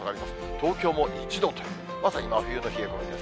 東京も一度という、まさに真冬の冷え込みです。